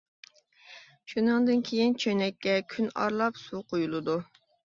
شۇنىڭدىن كېيىن چۆنەككە كۈن ئارىلاپ سۇ قۇيۇلىدۇ.